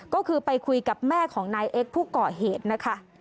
ก็คือไปคุยกับแม่ของนายเอ็กซ์ผู้ก่อเหตุนะคะ